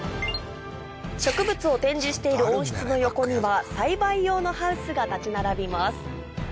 植物を展示している温室の横には栽培用のハウスが立ち並びます